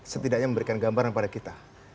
setidaknya memberikan gambaran pada kita